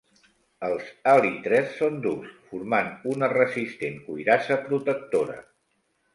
Els èlitres són durs, formant una resistent cuirassa protectora.